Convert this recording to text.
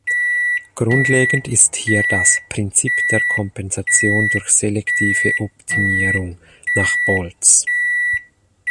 Grundlegend ist hier das "Prinzip der Kompensation durch selektive Optimierung" nach Baltes.